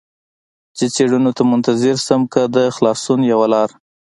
چې څېړنو ته منتظر شم، که د خلاصون یوه لار.